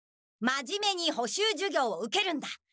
真面目に補習授業を受けるんだ。